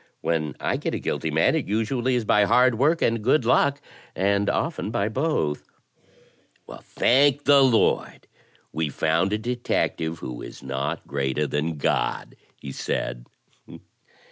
'When I get a guilty man it usually is by hard work or good luck, and often by both.' " 'Thank the Lord we've foimd a detective who is not greater than God,' he said.